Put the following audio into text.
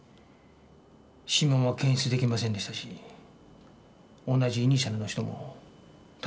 指紋も検出出来ませんでしたし同じイニシャルの人もたくさんいます。